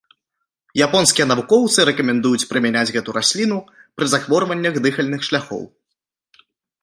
Японскія навукоўцы рэкамендуюць прымяняць гэту расліну пры захворваннях дыхальных шляхоў.